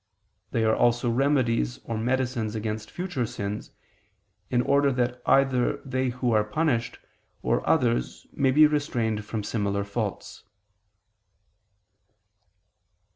They are also remedies or medicines against future sins, in order that either they who are punished, or others may be restrained from similar faults.